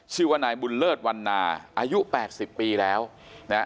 ชื่อว่านายบุญเลิศวันนาอายุแปดสิบปีแล้วนะฮะ